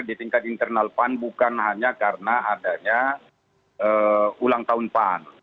di tingkat internal pan bukan hanya karena adanya ulang tahun pan